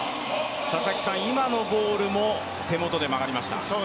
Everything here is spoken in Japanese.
今のボールも手元で曲がりました。